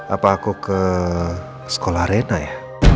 apa aku ke sekolah arena ya